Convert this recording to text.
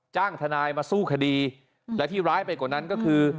จ้างทนายมาสู้คดีและที่ร้ายไปกว่านั้นก็คือ